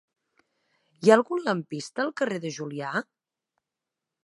Hi ha algun lampista al carrer de Julià?